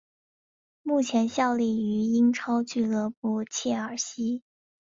目前效力于英超俱乐部切尔西。